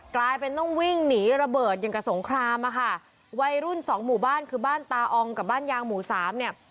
กลายเป็นต้องวิ่งหนีระเบิดอย่างกับสงครามอ่ะค่ะวัยรุ่นสองหมู่บ้านคือบ้านตาอองกับบ้านยางหมู่สามเนี่ย